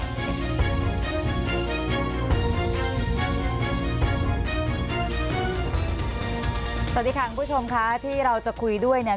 สวัสดีค่ะคุณผู้ชมค่ะที่เราจะคุยด้วยเนี่ย